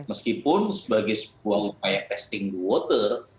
meskipun sebagai sebuah upaya testing the water